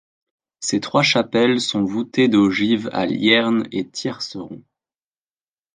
Ces trois chapelles sont voûtées d'ogives à liernes et tiercerons.